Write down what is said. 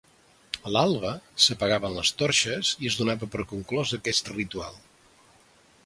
A l'alba, s'apagaven les torxes i es donava per conclòs aquest ritual.